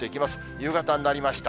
夕方になりました。